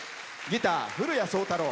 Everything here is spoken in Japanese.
ギター、古屋創太郎。